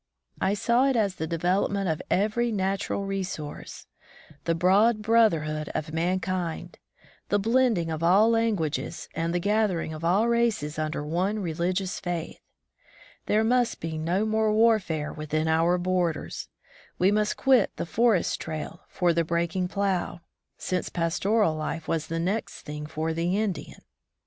I saw it as the development of every natural re source ; the broad brotherhood of mankind ; the blending of all languages and the gather ing of all races under one religious faith. There must be no more warfare within our borders; we must quit the forest trail for 67 From the Deep Woods to Civilization the breaking plow, since pastoral life was the next thing for the Indian.